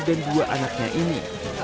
dan dua anaknya ini